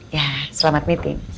ya selamat meeting